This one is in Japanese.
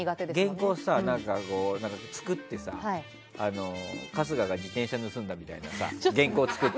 原稿作ってさ、春日が自転車盗んだみたいな原稿を作って。